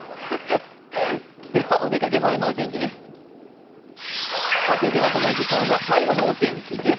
お出かけ前のお天気です。